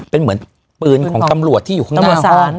เป็นเหมือนปืนของตำรวจที่อยู่ข้างหน้า